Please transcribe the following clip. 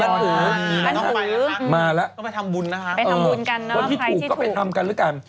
ก็ไปทำบุญกันใครที่ถูกก็ไปทำกันด้วยกัน